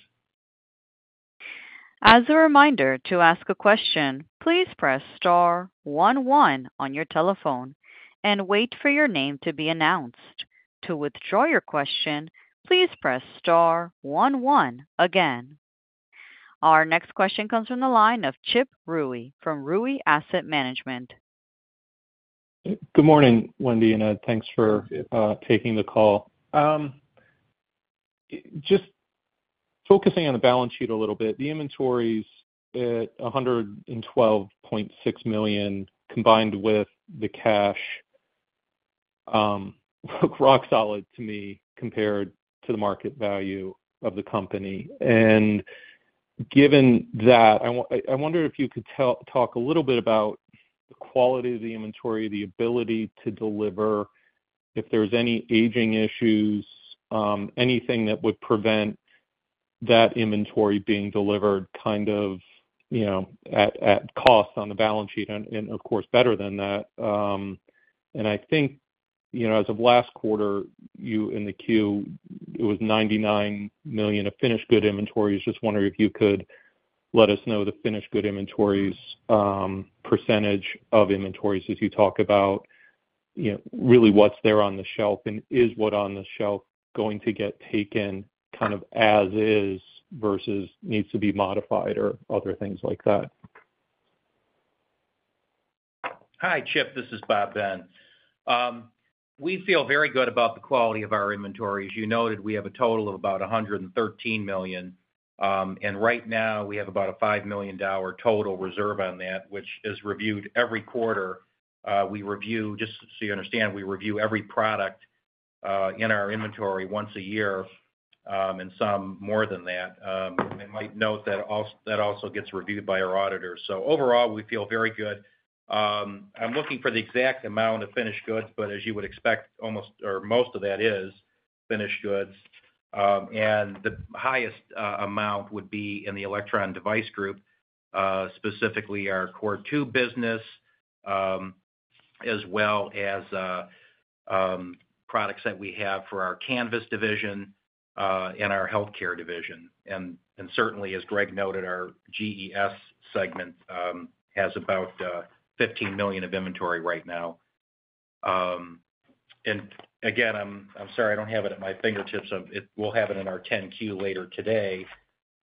As a reminder to ask a question, please press star one one on your telephone and wait for your name to be announced. To withdraw your question, please press star one one again. Our next question comes from the line of Chip Rewey from Rewey Asset Management. Good morning, Wendy, and thanks for taking the call. Just focusing on the balance sheet a little bit, the inventory's at $112.6 million combined with the cash. Looks rock solid to me compared to the market value of the company. Given that, I wonder if you could talk a little bit about the quality of the inventory, the ability to deliver, if there's any aging issues, anything that would prevent that inventory being delivered kind of at cost on the balance sheet, and of course, better than that. I think as of last quarter, in the queue, it was $99 million of finished goods inventories. Just wondering if you could let us know the finished goods inventories, percentage of inventories as you talk about really what's there on the shelf and is what on the shelf going to get taken kind of as-is vs needs to be modified or other things like that. Hi, Chip. This is Bob Ben. We feel very good about the quality of our inventory. As you noted, we have a total of about $113 million. Right now, we have about a $5 million total reserve on that, which is reviewed every quarter. Just so you understand, we review every product in our inventory once a year and some more than that. I might note that also gets reviewed by our auditors. So overall, we feel very good. I'm looking for the exact amount of finished goods, but as you would expect, most of that is finished goods. The highest amount would be in the electron device group, specifically our core tube business, as well as products that we have for our Canvys division and our Healthcare division. Certainly, as Greg noted, our GES segment has about $15 million of inventory right now. And again, I'm sorry I don't have it at my fingertips. We'll have it in our 10-Q later today.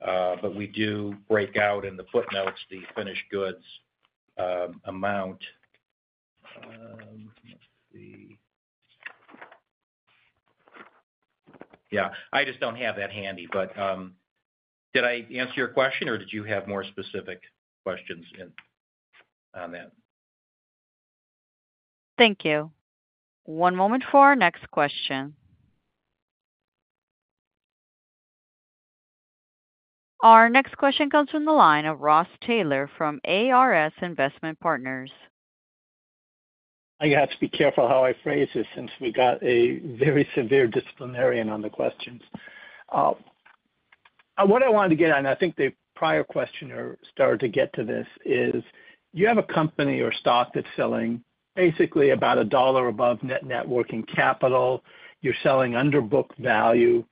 But we do break out in the footnotes the finished goods amount. Let's see. Yeah. I just don't have that handy. But did I answer your question, or did you have more specific questions on that? Thank you. One moment for our next question. Our next question comes from the line of Ross Taylor from ARS Investment Partners. I have to be careful how I phrase this since we got a very severe disciplinarian on the questions. What I wanted to get on, and I think the prior questioner started to get to this, is you have a company or stock that's selling basically about $1 above net working capital. You're selling under book value.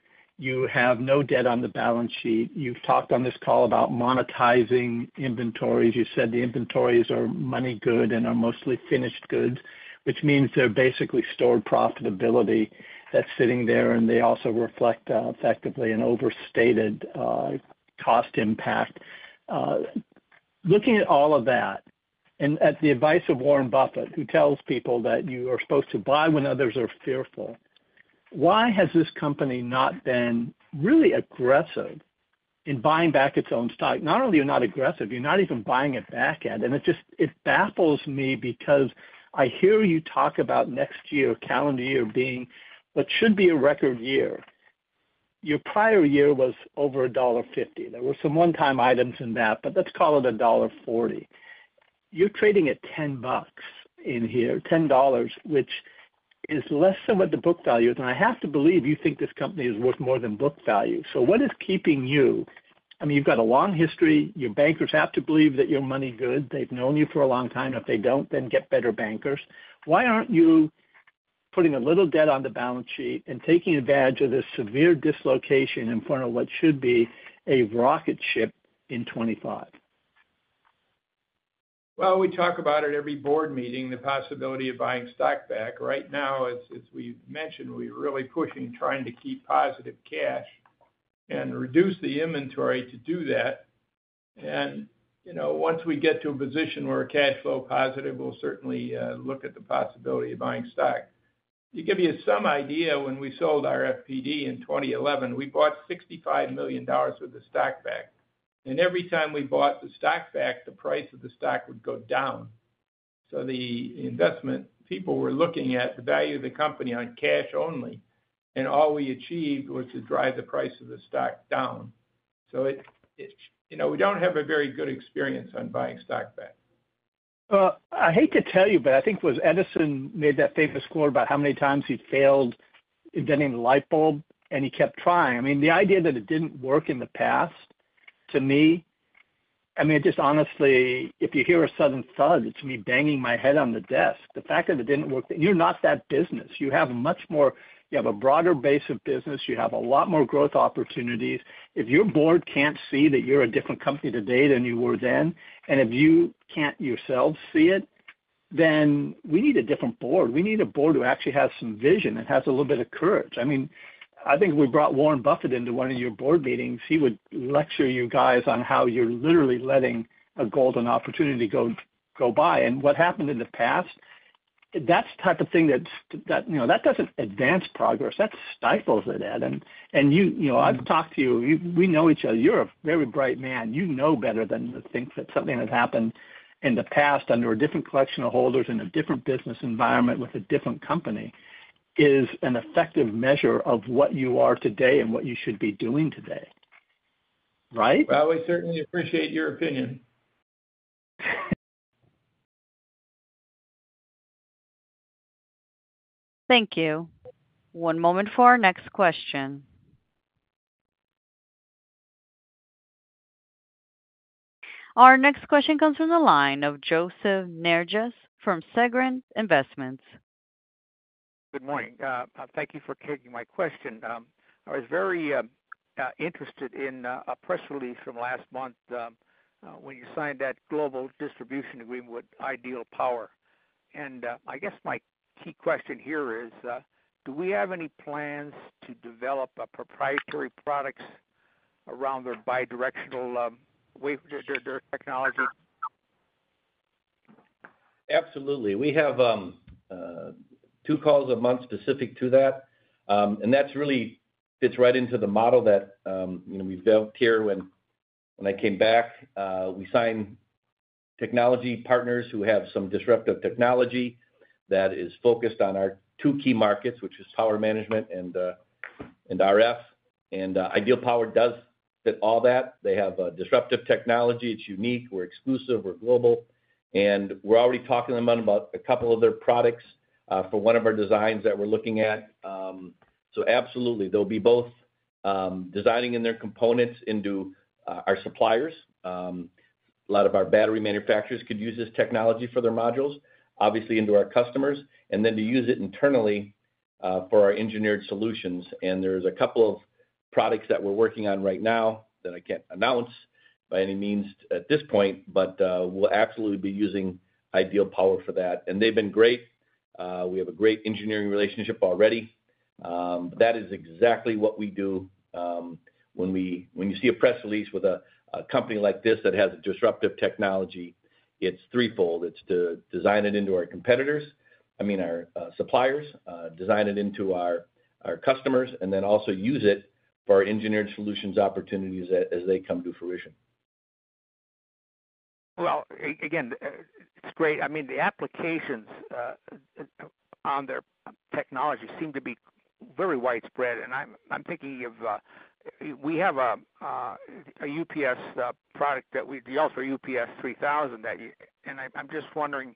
You have no debt on the balance sheet. You've talked on this call about monetizing inventories. You said the inventories are money good and are mostly finished goods, which means they're basically stored profitability that's sitting there, and they also reflect effectively an overstated cost impact. Looking at all of that and at the advice of Warren Buffett, who tells people that you are supposed to buy when others are fearful, why has this company not been really aggressive in buying back its own stock? Not only are you not aggressive, you're not even buying it back yet. It baffles me because I hear you talk about next year, calendar year, being what should be a record year. Your prior year was over $1.50. There were some one-time items in that, but let's call it $1.40. You're trading at $10 in here, $10, which is less than what the book value is. I have to believe you think this company is worth more than book value. So what is keeping you? I mean, you've got a long history. Your bankers have to believe that you're money good. They've known you for a long time. If they don't, then get better bankers. Why aren't you putting a little debt on the balance sheet and taking advantage of this severe dislocation in front of what should be a rocket ship in 2025? Well, we talk about it at every board meeting, the possibility of buying stock back. Right now, as we've mentioned, we're really pushing, trying to keep positive cash and reduce the inventory to do that. And once we get to a position where cash flow is positive, we'll certainly look at the possibility of buying stock. To give you some idea, when we sold our FPD in 2011, we bought $65 million worth of stock back. And every time we bought the stock back, the price of the stock would go down. So the investment people were looking at the value of the company on cash only, and all we achieved was to drive the price of the stock down. So we don't have a very good experience on buying stock back. I hate to tell you, but I think Edison made that famous quote about how many times he failed inventing the light bulb, and he kept trying. I mean, the idea that it didn't work in the past, to me I mean, just honestly, if you hear a sudden thud, it's me banging my head on the desk. The fact that it didn't work, you're not that business. You have a much more you have a broader base of business. You have a lot more growth opportunities. If your board can't see that you're a different company today than you were then, and if you can't yourselves see it, then we need a different board. We need a board who actually has some vision and has a little bit of courage. I mean, I think we brought Warren Buffett into one of your board meetings. He would lecture you guys on how you're literally letting a golden opportunity go by. And what happened in the past, that type of thing, that doesn't advance progress. That stifles it. And I've talked to you. We know each other. You're a very bright man. You know better than to think that something that happened in the past under a different collection of holders in a different business environment with a different company is an effective measure of what you are today and what you should be doing today, right? Well, we certainly appreciate your opinion. Thank you. One moment for our next question. Our next question comes from the line of Joseph Nerges from Segren Investments. Good morning. Thank you for taking my question. I was very interested in a press release from last month when you signed that global distribution agreement with Ideal Power. And I guess my key question here is, do we have any plans to develop proprietary products around their bidirectional technology? Absolutely. We have two calls a month specific to that. That really fits right into the model that we've built here when I came back. We sign technology partners who have some disruptive technology that is focused on our two key markets, which is power management and RF. Ideal Power does fit all that. They have disruptive technology. It's unique. We're exclusive. We're global. We're already talking to them about a couple of their products for one of our designs that we're looking at. Absolutely, they'll be both designing in their components into our suppliers. A lot of our battery manufacturers could use this technology for their modules, obviously, into our customers, and then to use it internally for our engineered solutions. There's a couple of products that we're working on right now that I can't announce by any means at this point, but we'll absolutely be using Ideal Power for that. They've been great. We have a great engineering relationship already. That is exactly what we do. When you see a press release with a company like this that has a disruptive technology, it's threefold. It's to design it into our competitors, I mean, our suppliers, design it into our customers, and then also use it for our engineered solutions opportunities as they come to fruition. Well, again, it's great. I mean, the applications on their technology seem to be very widespread. And I'm thinking of we have a UPS product that we the ULTRAUPS3000 that you and I'm just wondering,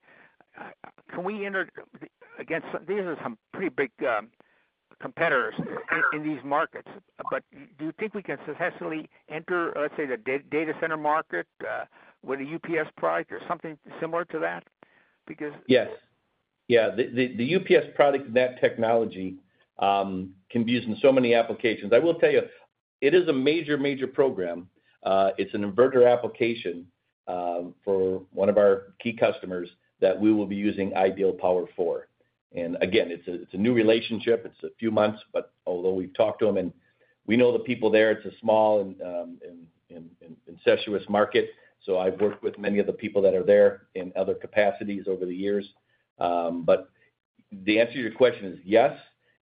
can we again, these are some pretty big competitors in these markets. But do you think we can successfully enter, let's say, the data center market with a UPS product or something similar to that? Because. Yes. Yeah. The UPS product and that technology can be used in so many applications. I will tell you, it is a major, major program. It's an inverter application for one of our key customers that we will be using Ideal Power for. And again, it's a new relationship. It's a few months. But although we've talked to them and we know the people there, it's a small and incestuous market. So I've worked with many of the people that are there in other capacities over the years. But the answer to your question is yes.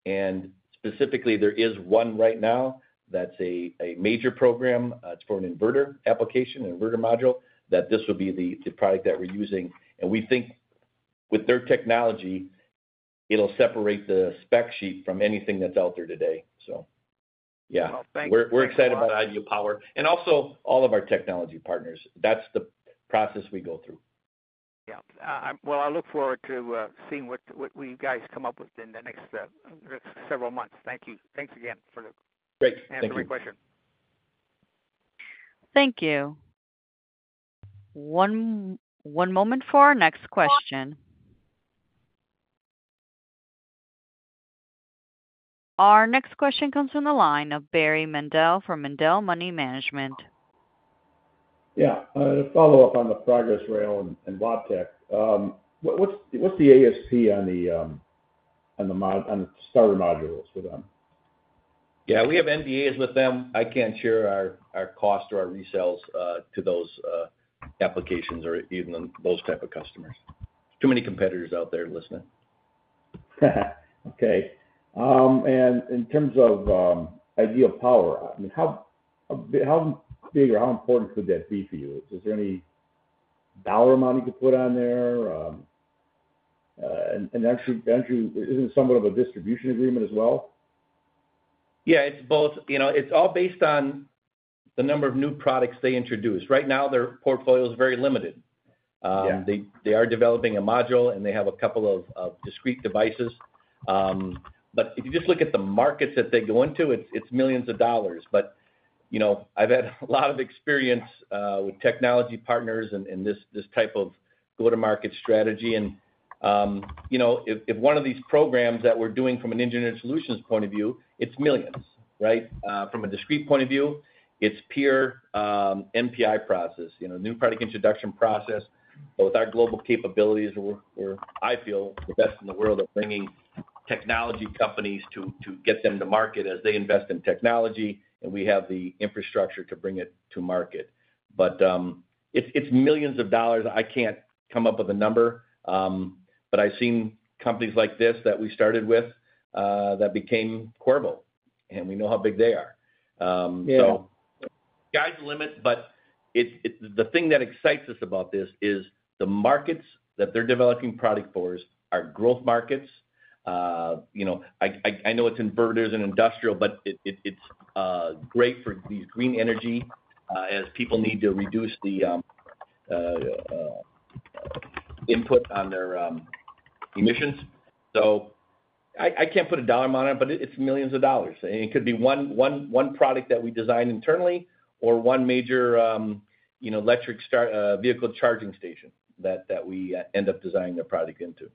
And specifically, there is one right now that's a major program. It's for an inverter application, an inverter module, that this would be the product that we're using. And we think with their technology, it'll separate the spec sheet from anything that's out there today. So yeah. We're excited about Ideal Power and also all of our technology partners. That's the process we go through. Yeah. Well, I look forward to seeing what you guys come up with in the next several months. Thank you. Thanks again for the answer to your question. Great. Thank you. Thank you. One moment for our next question. Our next question comes from the line of Barry Mendel from Mendel Money Management. Yeah. To follow up on the Progress Rail and Wabtec, what's the ASP on the starter modules for them? Yeah. We have NDAs with them. I can't share our cost or our resales to those applications or even those type of customers. Too many competitors out there listening. Okay. And in terms of Ideal Power, I mean, how big or how important could that be for you? Is there any dollar amount you could put on there? And Ed, isn't it somewhat of a distribution agreement as well? Yeah. It's both. It's all based on the number of new products they introduce. Right now, their portfolio is very limited. They are developing a module, and they have a couple of discrete devices. But if you just look at the markets that they go into, it's millions of dollars. But I've had a lot of experience with technology partners and this type of go-to-market strategy. And if one of these programs that we're doing from an engineered solutions point of view, it's millions, right? From a discrete point of view, it's pure NPI process, new product introduction process. But with our global capabilities, I feel the best in the world at bringing technology companies to get them to market as they invest in technology, and we have the infrastructure to bring it to market. But it's millions of dollars. I can't come up with a number. But I've seen companies like this that we started with that became Qorvo, and we know how big they are. So the sky's the limit. But the thing that excites us about this is the markets that they're developing product for are growth markets. I know it's inverters and industrial, but it's great for these green energy as people need to reduce the input on their emissions. So I can't put a dollar amount on it, but it's millions of dollars. And it could be one product that we design internally or one major electric vehicle charging station that we end up designing their product into.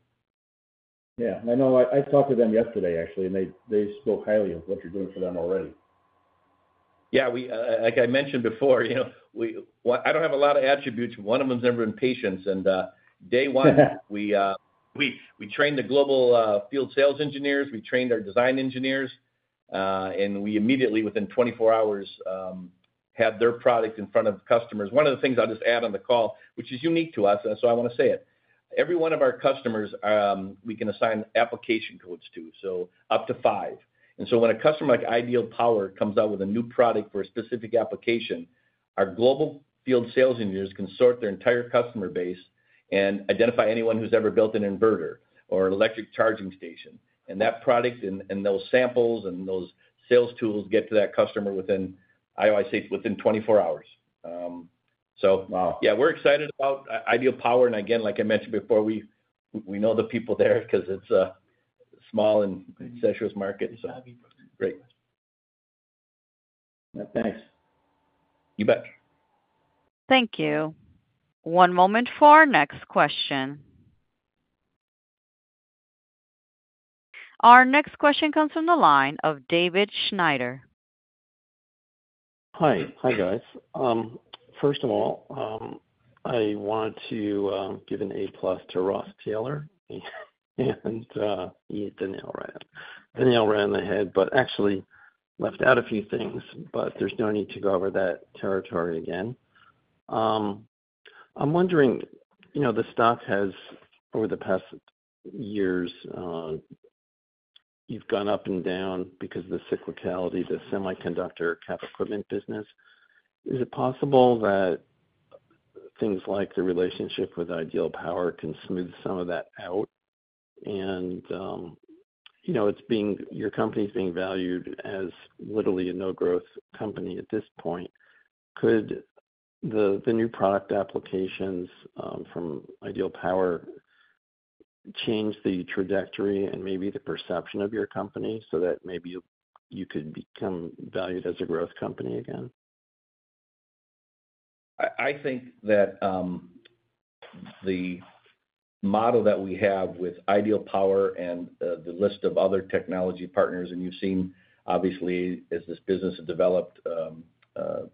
Yeah. I know. I talked to them yesterday, actually, and they spoke highly of what you're doing for them already. Yeah. Like I mentioned before, I don't have a lot of attributes. One of them's never been patient. Day one, we trained the global field sales engineers. We trained our design engineers. We immediately, within 24 hours, had their product in front of customers. One of the things I'll just add on the call, which is unique to us, and that's why I want to say it. Every one of our customers, we can assign application codes to, so up to five. So when a customer like Ideal Power comes out with a new product for a specific application, our global field sales engineers can sort their entire customer base and identify anyone who's ever built an inverter or an electric charging station. That product and those samples and those sales tools get to that customer within, I always say, within 24 hours. So yeah, we're excited about Ideal Power. And again, like I mentioned before, we know the people there because it's a small and incestuous market, so. Great. Thanks. You bet. Thank you. One moment for our next question. Our next question comes from the line of David Schneider. Hi. Hi, guys. First of all, I wanted to give an A+ to Ross Taylor. And he hit the nail right on the head, but actually left out a few things. But there's no need to go over that territory again. I'm wondering, the stock has over the past years, you've gone up and down because of the cyclicality, the semiconductor capital equipment business. Is it possible that things like the relationship with Ideal Power can smooth some of that out? And your company's being valued as literally a no-growth company at this point. Could the new product applications from Ideal Power change the trajectory and maybe the perception of your company so that maybe you could become valued as a growth company again? I think that the model that we have with Ideal Power and the list of other technology partners—and you've seen, obviously, as this business has developed,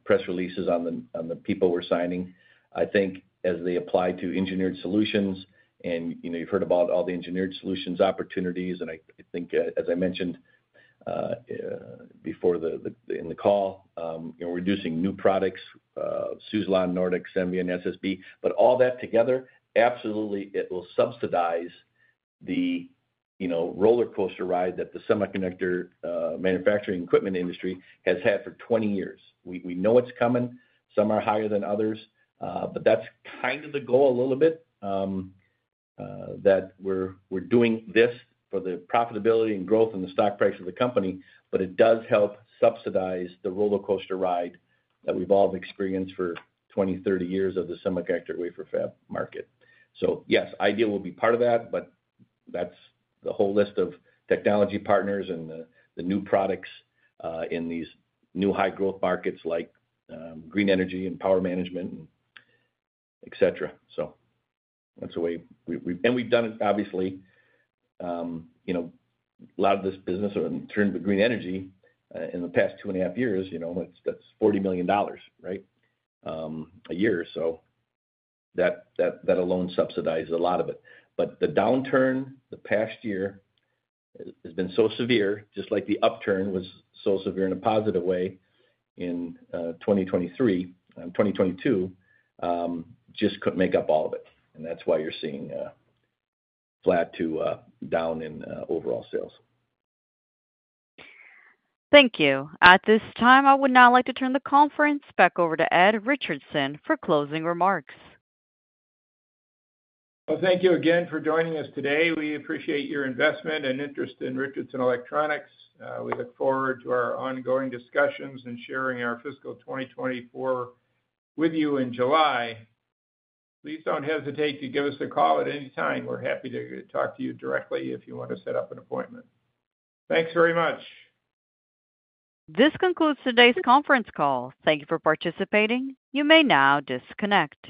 press releases on the people we're signing—I think as they apply to engineered solutions and you've heard about all the engineered solutions opportunities. And I think, as I mentioned before in the call, we're using new products, Suzlon, Nordex, Senvion, SSB. But all that together, absolutely, it will stabilize the roller coaster ride that the semiconductor manufacturing equipment industry has had for 20 years. We know it's coming. Some are higher than others. But that's kind of the goal a little bit, that we're doing this for the profitability and growth and the stock price of the company, but it does help subsidize the roller coaster ride that we've all experienced for 20, 30 years of the semiconductor wafer fab market. So yes, Ideal will be part of that, but that's the whole list of technology partners and the new products in these new high-growth markets like green energy and power management, etc. So that's a way we and we've done it, obviously. A lot of this business turned to green energy in the past two and a half years. That's $40 million, right, a year. So that alone subsidizes a lot of it. But the downturn the past year has been so severe, just like the upturn was so severe in a positive way in 2022. Just couldn't make up all of it. And that's why you're seeing flat to down in overall sales. Thank you. At this time, I would now like to turn the conference back over to Ed Richardson for closing remarks. Well, thank you again for joining us today. We appreciate your investment and interest in Richardson Electronics. We look forward to our ongoing discussions and sharing our fiscal 2024 with you in July. Please don't hesitate to give us a call at any time. We're happy to talk to you directly if you want to set up an appointment. Thanks very much. This concludes today's conference call. Thank you for participating. You may now disconnect.